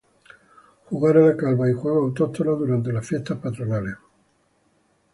Jugar a la calva y juegos autóctonos durante las fiestas patronales.